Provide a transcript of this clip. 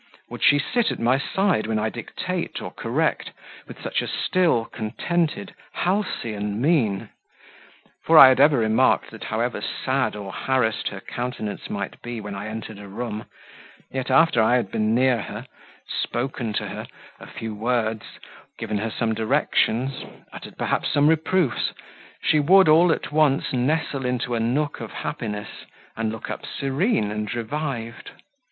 would she sit at my side when I dictate or correct, with such a still, contented, halcyon mien?" for I had ever remarked, that however sad or harassed her countenance might be when I entered a room, yet after I had been near her, spoken to her a few words, given her some directions, uttered perhaps some reproofs, she would, all at once, nestle into a nook of happiness, and look up serene and revived.